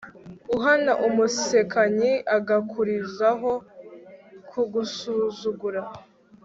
uhana umusekanyi agakurizaho kugusuzugura